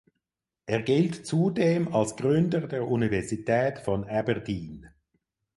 Er gilt zudem als Gründer der Universität von Aberdeen.